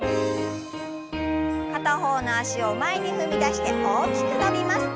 片方の脚を前に踏み出して大きく伸びます。